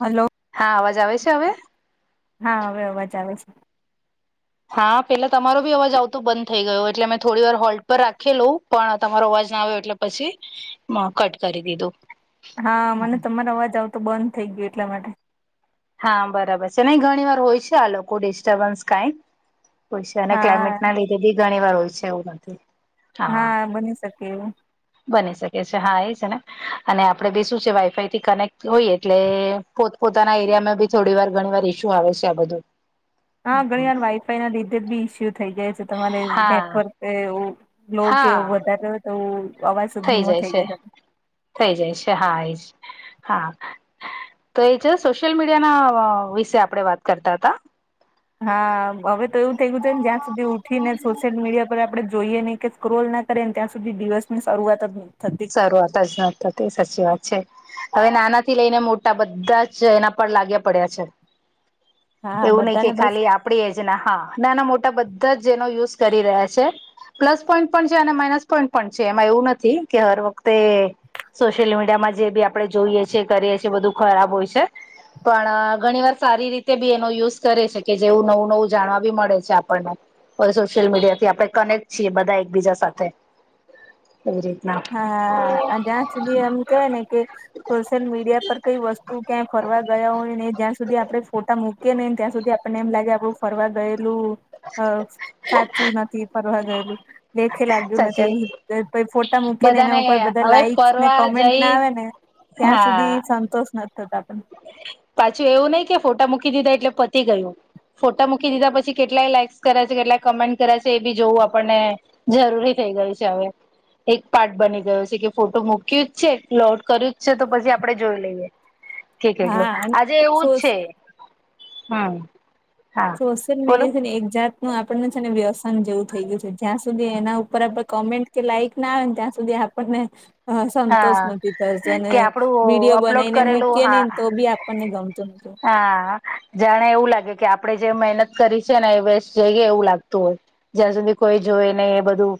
Hello હા અવાજ આવે છે હવે? હા હવે અવાજ આવે છે. હા પેલા તમારો બી અવાજ આવતો બંધ થઈ ગયો. એટલે મેં થોડી વાર હોલ્ટ પર રાખેલું. પણ તમારો અવાજ ના આવ્યો એટલે પછી કટ કરી દીધું. હા મને તમારો અવાજ આવતો બંધ થઈ ગયો એટલા માટે. હા બરાબર છે નહી ઘણી વાર હોય છે આ લોકો ડિસ્ટર્બન્સ કાઈ. હોય સે. અને હા ક્લાયમેટના લીધે બી ઘણી વાર હોય છે એવું નથી. હા બની શકે એવુ. બની શકે છે હા એ છે ને. અને આપડે બે શું સે વાઈફાઈથી કનેક્ટ હોઈ એટલે પોતપોતાના એરિયામાં બી થોડી વાર ઘણી વાર ઇસ્યુ આવે છે આ બધું. હા ઘણી વાર વાઈફાઈના લીધે બી ઇસ્યુ થઈ જાય છે તમારે હા નેટવર્ક એવું. લો કે હા વધારે હોય તો અવાજ સેજ ધીમો થઈ જાય [inaudible] થઈ જાય છે હા એજ હા. તો એ છે સોશિયલ મીડિયાના વિશે આપણે વાત કરતા તા. હા હવે તો એવું થઈ ગયું છે ને જ્યાં સુધી ઉઠીને સોશિયલ મીડિયા પર આપણે જોઈએ નહી કે સ્ક્રોલ ના કરીએ ને ત્યાં સુધી દિવસની શરૂઆત જ નહી. શરૂઆત જ નથ થતી. સાચી વાત છે. હવે નાના થી લઈને મોટા બધાં જ એના પર લાગ્યા પડ્યા છે. હા એવું નહી કે બધાને બસ ખાલી આપ આપણી એજના હા. નાના મોટા બધા જ જેનો યુઝ કરી રહ્યા છે. પ્લસ પોઈન્ટ પણ છે અને માઇનસ પોઈન્ટ પણ છે. એમાં એવું નથી કે હર વખતે- સોશિયલ મીડિયામાં જે બી આપણે જોઈએ છીએ, કરીએ છીએ બધું ખરાબ હોય છે. પણ ઘણી વાર સારી રીતે બી એનો યુઝ કરે છે કે જેવું નવું નવું જાણવા બી મળે છે આપણને. હવે સોશિયલ મીડિયાથી આપણે કનેક્ટ છીએ બધા એકબીજા સાથે એવી રીત હા અન જ્યાં સુધી એમ કેવાય ને કે સોશિયલ મીડિયા પર કઈ વસ્તુ ક્યાંય ફરવા ગયા હોય ને એ જ્યાં સુધી આપડે ફોટા મુક મુકીએ નઈ ને ત્યાં સુધી આપણને એમ લાગે આપડું ફરવા ગયેલું અ સાચું નથી ફરવા ગયેલું લેખે લાગ્યું સાચે નથી. અ પછી ફોટ ટા મૂકીએ ને એના બધાને ઉપર બધા હવે લાઈકસ ને ફરવા કમેન્ટને જઈ આવે ને ત્યાં સુધી હા સંતોષ નથ તો થાતો. પાછું એવું નહીં કે ફોટા મૂકી દીધા એટલે પતી ગયું. ફોટા મૂકી દીધા પછી કેટલાય લાઈક્સ કર્યા છે, કેટલાય કમેન્ટ કર્યા છે, એ બી જોવું આપણને. જરૂરી થઈ ગયું છે હવે. એક પાર્ટ બની ગયો છે કે ફોટો મૂક્યું જ છે, લોડ કર્યું જ છે, તો પછી આપણે જોઈ લઈએ. કે કેટલું હા આજે એવું જ સોસ છે હમ. હા સોશિયલ બોલો મીડિયા છે ને એક જાત નું આપણને છે ને વ્યસન જેવું થઈ ગયું છે. જ્યાં સુધી એના ઉપર આપડે કોમેન્ટ કે લાઈક ના આવે ને ત્યાં સુધી આપ આપણને અ સંતોષ હા નથી થતો અને કે આપડું વિડીયો અપલોડ બનાઈને કરેલું મૂકીએ હા નહીં ને તો બી આપ આપણને ગમતું નથી. હા જાણે એવું લાગે કે આપણે જે મહેનત કરી છે ને એ વસ્ટ જઈએ એવું લાગતું હોય. જ્યાં સુધી કોઈ જોવે નહીં એ બધું.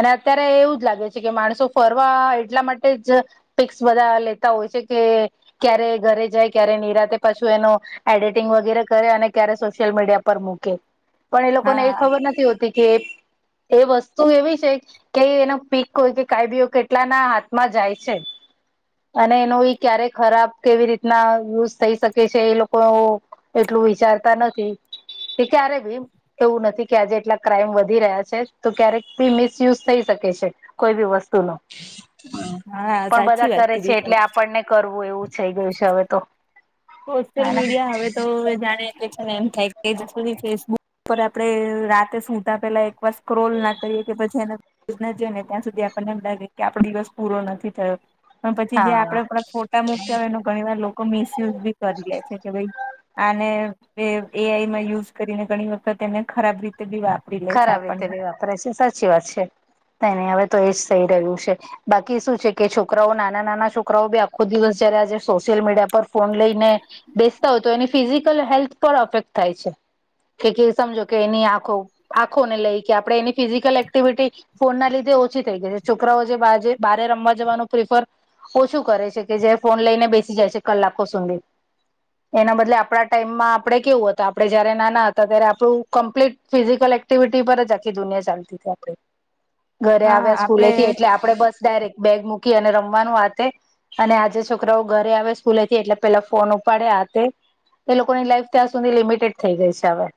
અને અત્યારે એવું જ લાગે છે કે માણસો ફરવા એટલા માટે જ પિક્સ બધા લેતા હોય છે કે ક્યારે ઘરે જાય, ક્યારે નીરાતે પછું એનો એડિટિંગ વગેરે કરે અને ક્યારે સોશિયલ મીડિયા પર મૂકે. પણ એ લોકોને એ હા ખબર નથી હોતી કે એ વસ્તુ એવી છે. કે એનો પીક હોય કે કાય બી કેટલા ના હાથમાં જાય છે. અને એનો ક્યારે ખરાબ કેવી રીતના યુઝ થઈ શક કે છે એ લોકો એટલું વિચારતા નથી એ ક્યારે ભી એવું નથી કે આજે એટલા ક્રાઈઇમ વધી રહ્યા છે તો ક્યારેક બી મિસયુઝ થઈ શકે છે. કોઈ બી વસ્તુ નો હા પણ સાચી બધા વાત કરે છે કીધી તમે. એટલે આપણને કરવું એવું થઈ ગયું છે હવે તો. સોશિયલ હેને મીડિયા હવે તો જાણે એલે છેને એમ થાય કે સુધી ફેસબુક પર આપડે રાતે સુતા પેલા એકવાર સ્ક્રોલ ના કરીએ કે પછી એને ઈને ત્યાં સુધી આપણને એમ લાગે કે આપડો દિવસ પૂરો નથી થયો. પણ પછી જે હા આપડે પણ ફોટા મૂક્યા હોય એનો ઘણીવાર લોકો મિસયુઝ બી કરી લે છે કે ભાઈ આને એ આ ઈ માં યુઝ કરીને ઘણી વખત એને ખરાબ રીત તે બી વાપરી લે છે ખરાબ રીતે આપણને. બી વાપરે છે સાચી વાત છે. કાઈ નહીં હવે તો એજ થઈ રહ્યું છે. બાકી શું છે કે છોકરાઓ નાના નાના છોકરાઓ બી આખો દિવસ જયારે આજે સોશિયલ મીડિયા પર ફોન લઈને બેસતા હોય તો એની ફિઝિકલ હેલ્થ પર અફેક્ટ થાય છે. કે કોઈ સમજો કે એની આંખો આંખોને લઈ કે આપણે એની ફિઝિકલ એક્ટિવિટી ફોન ના લીધે ઓછી થઈ ગઈ છે છોકરાઓ જે બારે રમવા જવાનું પ્રિફર ઓછું કરે છે કે જે ફોન લઈને બેસી જાય છે કલાકો સુધી. એના બદલે આપડા ટાઈમમાં આપડે કેવું હત આપડે જયારે નાના હતા ત્યારે આપડું કમ્પ્લીટ ફિઝિક્સ કલ એકેટીવી પર અજી દુનિયા ચાલતી આપ ઘરે હા આવ્યા સ્કૂલે આપડે એટલે આપડે બસ ડાયરેક્ટ બેગ મૂકી અને રમવાનું આથે અને આજે છોકરાઓ ઘરે આવે સ્કૂલેથી એટલે પેલા ફોન ઉપાડે આતે એ લોકોની લાઈફ ત્યાં સુધી લિમિટેડ થઈ ગઈ છે હવે.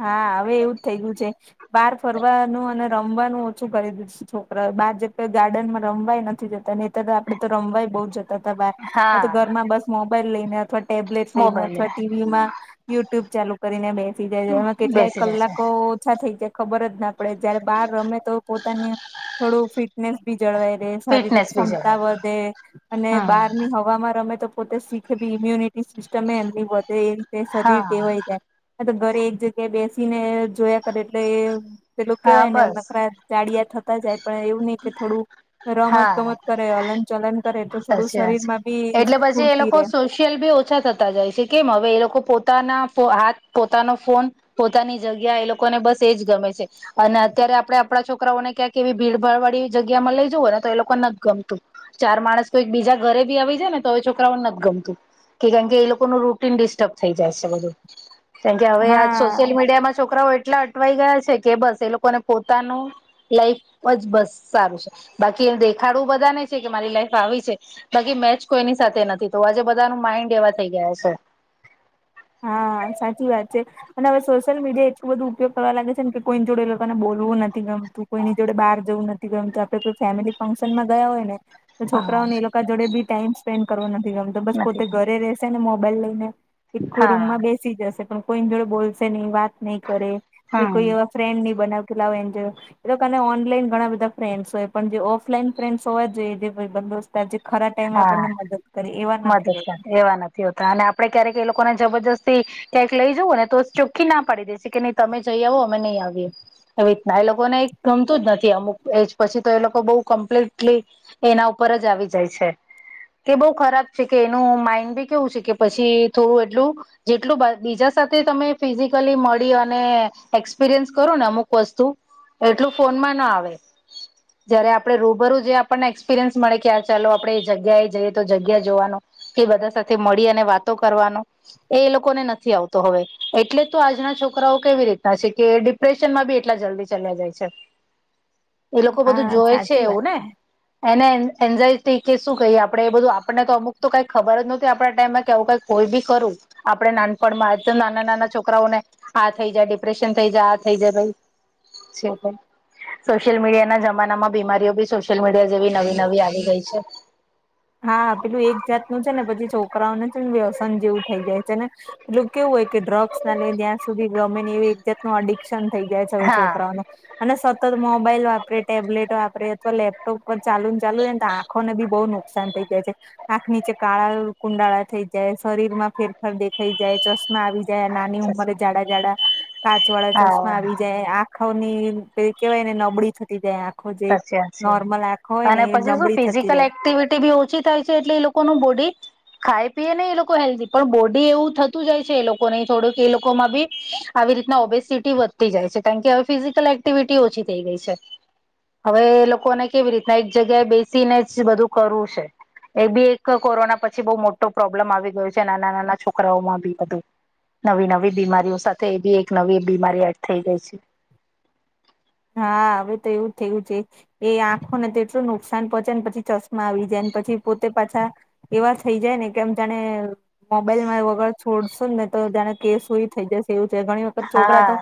હા, હવે એવુંજ થઇ ગયું છે. બહાર ફરવાનું અને રમવાનું ઓછું કરી દીધું છોકરા બહાર જ ગાર્ડનમાં રમવાય નથી જતા ને તદા આપદે તો રમવાય બહુ જ તતા બાર આ તો હા ઘરમાં બસ મોબાઈલ લઈને અથવા ટેબ્લેટ લઈને મોબાઈલે અથવા ટી વી માં યુટ્યુબ ચાલુ કરીને બેસીથી જાય છે એમાં કેટલાય બેસી જશે કલાકો ઓછા થઇ જાય. ખબર જ ના પડે જયારે બહાર રમે તો પોતાને થોડું ફિટનેસ ભી જળવાઈ રહે. શારીરિક ફિટનેસ બી ક્ષમતા જરૂરી વધે અને હમ બહારની હવામાં રમે તો પોતે શીખે બી ઈમ્યુનિટી સિસ્ટમ એમ વધે એ રીતે શરીર હા ટેવાઈ જાય. આ તો ઘરે એક જગ્યાએ બેસી ને જોયા કરે એટલે પેલું હા કેવાય ને બસ નખરા જાળિયા થતા જાય પણ એવું નહિ કે થોડું રમત હા ગમત કર ને હલન ચલન કરે તો થોડું સાચી શરીર માં બી સ્ફૂર્તિ રહેે. ખેલ ઓછા થતા જાય છે કેમ હવે એ લોકો પોતાના હાથ પોતાનો ફોન પોતાની જગ્યા એ લોકોને બસ એજ ગમે છે. અને અત્યારે આપડે આપડા છોકરાઓને ક્યાંક એવી ભીડભાડ વાળી જગ્યા માં લઈ જવું ને તો એ લોકોને નથ ગમતું. ચાર માણસ તોઈ બીજા ઘરે બી આવી જાય ને તો છોકરાઓને નથ ગમતું. કે કારણ કે એ લોકોનું રૂટીન ડિસ્ટર્બ થઈ જાય છે બધું. કેમકે હવે આજ હા સોશિયલ મીડિયામાં છોકરાઓ એટલા અટવાઈ ગયા છે કે બસ એ લોકોને પોતાનું લાઈફ જ બસ સારું છે બાકી એ દેખાડવું બધા ને છે કે મારી લાઈફ આવીવી છે બાકી મેચ કોઈની સાથે નથી તો આજે બધા ના માઈન્ડ એવા થઈ ગયા છે. હા, સાચી વાત છે. અને હવે સોશિયલ મીડિયા એટલું બધું ઉપયોગ કરવા લાગે છે કે કોઈની જોડે લોકોને બોલવું નથી ગમતું. કોઈની જોડે બહાર જવું નથી ગમતું. આપડે કોઈ ફેમિલી ફંક્શન માં ગયા હોય ને તો હા છોકરાઓને એ લોકો જોડે બી ટાઈમ સ્પેન્ડ કરવા નથી ગમતો બસ પોતે નથી ઘરે રહેશે ને મોબાઈલ લઈને એક હા રૂમમાં બેસી જશે પણ કોઈની જોડે બોલશે નહી વાત નહીં કરે કે હમ કોઈ એવા ફ્રેન્ડ ની બનાવે કે લાવ એને જોડે એ લોકા ઓનલાઈન ઘણા બધા ફ્રેન્ડસ હોય પણ જે ઓફલાઈન ફ્રેન્ડ્સ હોવા જ જોઈએ જે બોસ્ત તા જે ખરા ટાઈમે હા આપણને મદદ કરી એવા નથી રહેેતા. હતા અને આપડે ક્યારેક એ લોકોને જબરજસ્તી ક્યાંક લઈ જવું ને તો ચોખ્ખી ના પાડી દે છે કે નહી તમે જઈ આવો અમે નહી આવીએ. એવી રીતના એ લોકોને ગમતું જ નથી અમુક એજ પછી તો એ લોકો બઉ કમ્પ્લીટલી એના ઉપર જ આવી જાય છે. તે બઉ ખરાબ છે કે એનું માઇન્ડ બી કેવું છે કે પછી થોડું એટલું જેટલું બીજા સાથે તમે ફિઝિકલી મળી અને એક્સપિરિયન્સ કરો ને અમુક વસ્તુ એટલું ફોનમાં ના આવે. જયારે આપણે રૂબરૂ જે આપણને એક્સપિરિયન્સ મળે કે આ ચાલો આપણે જગ્યા એ જઈએ તો જગ્યા જોવાનું કે બધા સાથે મળી અને વાતો કરવાનો એ એ લોકોને નથી આવતો હવે. એટલે તો આજના છોકરાઓ કેવી રીતના છે કે ડિપ્રેશનમાં બી એટલા જલ્દી ચલ્યા જાય છે, એ લોકો બધું હા જોય છે સાચી એવું વાત ને. એને એ એન્ઝાયટી કે શું કહીએ આપડે એ બધું આપડને તો અમુક તો કઈ ખબર જ નહોતી આપડા ટાઈમમાં કેવું કઈ કોઈ બી કરું. આપડે નાનપણમાં તો નાના નાના છોકરાઓને આ થઈ જાય, ડિપ્રેશન થઈ જાય, આ થઈ જાય ભાઈ છે. સોશિયલ મીડિયા ના જમાનામાં બીમારીઓ બી સોશિયલ મીડિયા જેવી નવી નવી આવી ગઈ છે. હા પેલું એક જાતનું છે ને પછી છોકરાઓને છે ને વ્યસન જેવું થઈ જાય છે ને એટલું કેવું હોય કે ડ્રગ્સ ના લઈને ત્યાં સુધી ગર્મે એવી એક જાત અડી શન થઈ જાય છે હવે હા છોકરાઓને. અને સતત મોબાઈલ વાપરે, ટેબલેટ વાપરે અથવા લેપટોપ પર ચાલુ ચાલુ ને આખો બી બહુ નુ શાન થઈ જાય છે. આંખ નીચે કાળા કુંડાળા થઈ જાય, શરીર માં ફેરફાર દેખાઈ જાય, ચ આવી જાય, નાની ઉંમરે જાડા જાડા કાચ વાળા ચોસમાં હા આવી જાય, આ ખોની પે કેહેવાય ને નબળી થતી જાય આખ. સાચી વાત છે અને પછી શું નબળી થતી જાય ફિઝિકલ એક્ટિવિટી બી ઓછી થાય છે એટલે એ લોકોનું બોડી ખાય પીએ ને એ લોકો હેલ્ધી પણ બોડી એવું થતું જાય છે એ લોકોને થોડું કે એ લોકોમાં બી. આવી રીતના ઓબેસિટી વધતી જાય છે કારણ કે હવે ફિઝિકલ એક્ટિવિટી ઓછી થઈ ગઈ છે. હવે એ લોકોને કેવી રીતના એક જગ્યાએ બેસીને જ બધું કરવું છે. એ બી એક કોરોના પછી બહુ મોટો પ્રોબ્લેમ આવી ગયો છે નાના નાના છોકરાઓમાં બી બધું. નવી નવી બીમારીઓ સાથે એ બી એક નવી બીમારી એડ થઈ ગઈ છે. હા હવે તો એવું જ થયું છે. એ આંખોને તેટલું નુકસાન પહોંચે ને પછી ચશ્મા આવી જાયને પછી પોતે પાછા એવા થઈ જાય ને કેમ જાણે મોબાઈલમાં વગર છોડશું ને તો તને કેસ સુ થઈ જશે એવું છે. ઘણી છોકરા તો હા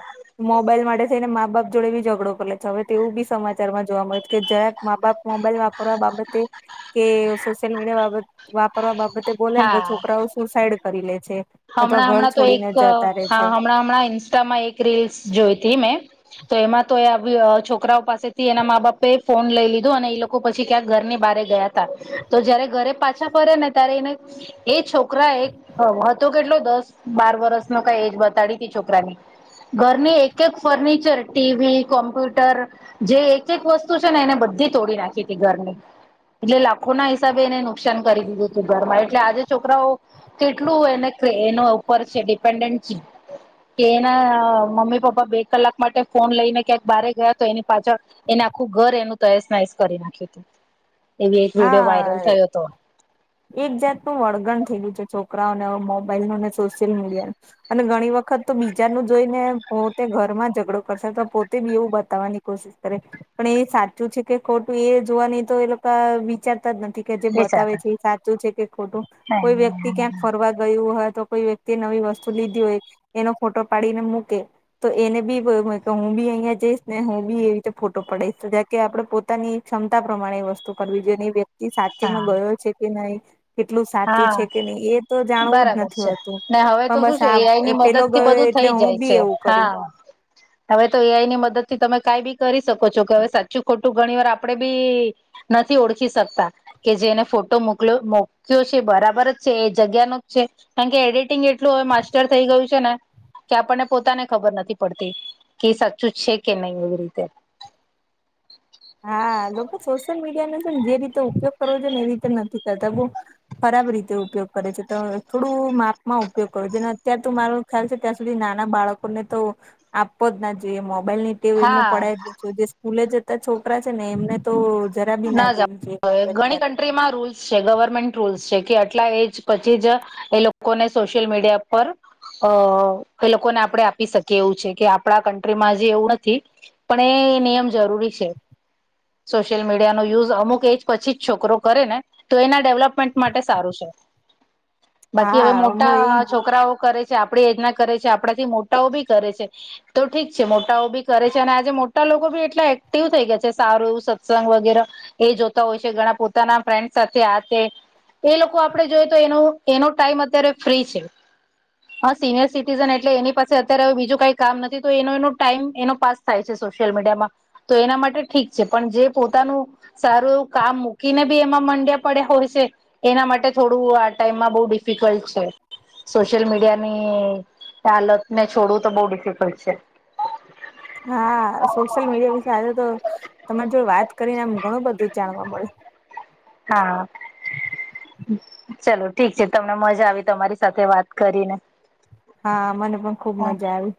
મોબાઈલ માટે થઈને મા બાપ જોડે જ ગડો કર લે છે હવે તે એવું બી સમાચારમાં જોવા મળ્યું હત કે જરાક મા બાપ મોબાઈલ વાપરવા બાબતે કે સોશિયલ મીડિયા બાબત વાપરવા બાબતે બોલે ને તો હા છોકરાઓ સુસાઈડ કરી લે છે. અથવા હમણાં ઘર હમણાં તો એક છોડીને જતા રે હા છે હમણાં હમણાં ઇન્સ્ટામાં એક રીલ્સ જોઈ હતી મેં. તો એમાં તો એ છોકરાઓ પાસેથી એના મા બાપે ફોન લઈ લીધો અને એ લોકો પછી ક્યાંક ઘરની બહરે ગયા તા, તો જયારે ઘરે પાછા ફરે ને ત્યારે એને એ છોકરા એક તો કેટલો દસ બાર વરસ ન કઈ એજ બતાડી તી છોકરાની. ઘરની એક એક ફર્નિચર ટી વી, કોમ્પ્યુટર જે એક એક વસ્તુ છે ને એને બધી તોડી નાખી હતી ઘરની. એટલે લાખો ના હિસાબે એને નુકસાન કરી દીધું હતું ઘરમાં. એટલે આજે છોકરાઓ કેટલું એને એનો ઉપર છે ડિપેન્ડન્ટ છે. કે એના મમ્મી પપ્પા બે કલાક માટે ફોન લઈને ક્યાંક બાર ગયા તો એની પાછળ એને આખું ઘર એનું તયસ નાયસ કરી નાખ્યું હતું. એવી એક વિડીયો વાયરલ હાય. થયો હતો એક જાતનું વળગણ થઈ ગયું છે છોકરાઓને મોબાઈલ નું ને સોશિયલ મીડિયાનું. અને ઘણી વખત તો બીજા ન જોઈ ને પોતે ઘર માં ઝઘડો કરશે તો પોતે બી એવું બતાવવાની કોશિ કરે પણ એ સાચું છે કે ખોટું એ જોવા નહ તો એ લોકો વિચારતા જ નથી કે જે બતાવે છે એ સાચું છે કે ખોટું. કોઈ વ્યક્તિ ક્યાંક ફરવા ગયું હોય તો કોઈ વ્યક્તિ નવી વસ્તુ લીધી હોય એનો ફોટો પાડીને મૂકે. તો એને બી હું બી અહિયાં જઈશ ને હું બી એવી રીતે ફોટો પડડીશ કે આપણે પોતે પોતાની ક્ષમતા પ્રમાણે વસ્તુ કરવી જોઈએ એ વ્યક્તિ સાચેમાં હા ગયો છે કે નહીં કેટલું સાચું હા છે કે નહી એ તો જાણવું જ બરાબર નથી છે હોતું ને હવે તો પણ શું બસ છે આ એઆઈ ની મદદ પેલો થી ગયો. બધું એટલે થઈ હું જાય છે બી એવું કરું. હા હવે તો એઆઈ ની મદદ થી તમે કઈ બી કરી શકો છો કે હવે સાચું ખોટું ઘણી વાર આપડે બી નથી ઓળખી શકતા કે જેને ફોટો મોકલો. કયો છે એ બરાબર જ છે એ જગ્યાનું જ છે કારણ કે એડિટિંગ એટલું હવે માસ્ટર થઈ ગયું છે ને કે આપણને પોતાને ખબર નથી પડતી કે સાચું છે કે નહી એવી રીતે. હા લોકો સોશિયલ મીડિયાનો પણ જે રીતે ઉપયોગ કરવો છે ને એ રીતે નથી કરતા? ખરાબ રીતે ઉપયોગ કરે છે તો થોડું માપમાં ઉપયોગ કરો છ ને અત્યાર તો મારું ખ્યાલ છે ત્યાં સુધી નાના બાળકોને તો આપવો જ ના જોઈએ મોબાઈલ ની. તે એમને હા પડાવી દેો જે સ્કૂલે જતા છોકરા છે ને એમને તો જરા બી ના દેવું ના દ. એ માં રોલ છે ગવર્મેન્ટ રૂલ્સ છે કે આટલા એજ પછી જ એ લોકોને સોશિયલ મીડિયા પર અ એ લોકોને આપણે આપી શકીએ એવું છે કે આપણા કન્ટ્રીમાં જે એવું નથી. પણ એ નિયમ જરૂરી છે. સશિયલ મીિયાનો યુઝ અમુક એજ પછી જ છોકરો કરે ને તો એના ડેવલપ માટે સારું છે બાકી હવે હા હું એ મોટા છોકરાઓ કરે આપડે એજના કરે છે આપણાથી મોટાઓ ભી કરે છે. તો ઠીક છે મોટાઓ બી કરે છે અને આજે મોટા લોકો બી એટલા એક્ટિવ થઈ ગયા છે સારું એવું સ ંગ વગે એ જોતા હોય છે ઘણા પોતાના ફ્રેન્ડ સાથે આ એ લોકો આપણેે જોઈ તો એનો એનો ટાઈમ અત્યારે ફ્રી છે. હા સિનિયર સિટીઝન એટલે એની પાસે અત્યારે હ બીજું કઈ કામ નથી તો એનો એનો ટાઈમ એનો પાસ થાય છે સોશિયલ મીડિયામાં. તો એના માટે ઠીક છે પણ જે પોતાનું સારું કામ મૂકીને બી એમાં મંડ્યા પડ્યા હોય છે એના માટે થોડું આ ટાઈમમાં બહુ ડિફિકલ્ટ છે. સોશિયલ મીડિયા ની હાલતને છોડવું તો બઉુ ડિફિકલ્ટ છે. હા સોશિયલ મીડિયા વિશે આજે તો તમારી જોડે વાત કરીને આમ ઘણું બધું જાણવા મળે. હા. ચલો ઠીક છે તમને મજા આવી તમારી સાથે વાત કરીને. હા મને પણ ખુબ હા મજા આવી.